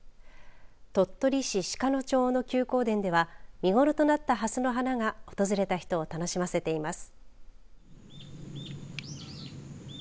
鳥取市鹿野町の休耕田では見頃となったハスの花が訪れた人を楽しませています。